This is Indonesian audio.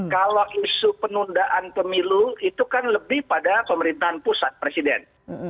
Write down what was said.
kalau isu penundaan pemilu itu kan lebih pada pemerintahan pusat presiden